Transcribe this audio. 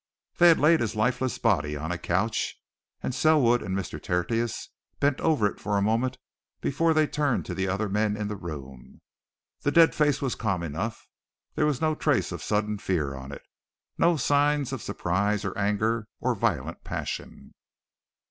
They had laid the lifeless body on a couch, and Selwood and Mr. Tertius bent over it for a moment before they turned to the other men in the room. The dead face was calm enough; there was no trace of sudden fear on it, no signs of surprise or anger or violent passion.